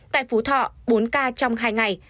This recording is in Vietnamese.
tại phú thọ bốn ca trong hai ngày